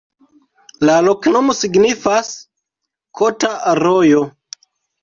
La loknomo signifas: kota-rojo.